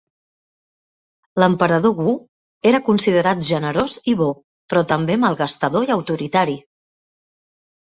L'emperador Wu era considerat generós i bo, però també malgastador i autoritari.